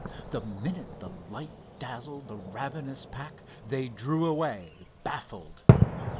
The minute the light dazzled the ravenous pack, they drew away, baffled.